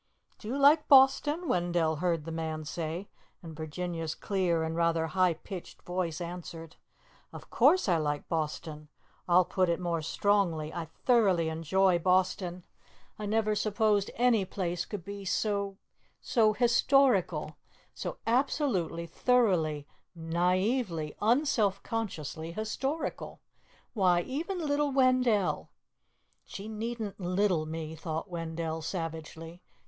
"Do you like Boston?" Wendell heard the man say, and Virginia's clear and rather high pitched voice answered, "Of course I like Boston. I'll put it more strongly, I thoroughly enjoy Boston. I never supposed any place could be so so historical, so absolutely, thoroughly, naively, unselfconsciously historical. Why, even little Wendell " "She needn't little me," thought Wendell savagely.